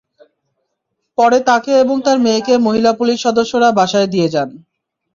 পরে তাঁকে এবং তাঁর মেয়েকে মহিলা পুলিশ সদস্যরা বাসায় দিয়ে যান।